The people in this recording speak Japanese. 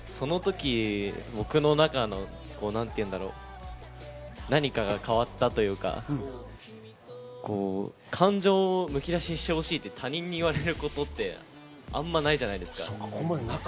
その時、僕の中の何かが変わったというか、感情をむき出しにしてほしいって他人にいわれることってあまりないじゃないですか。